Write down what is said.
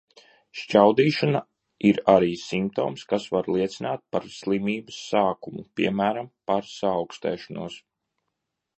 Šķaudīšana ir arī simptoms, kas var liecināt arī par slimības sākumu, piemēram, par saaukstēšanos.